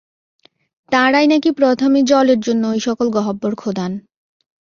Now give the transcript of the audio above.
তাঁরাই নাকি প্রথমে জলের জন্য ঐ সকল গহ্বর খোদান।